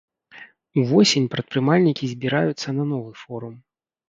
Увосень прадпрымальнікі збіраюцца на новы форум.